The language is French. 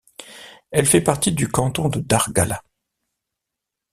Elle fait partie du canton de Dargala.